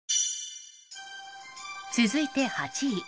続いて８位。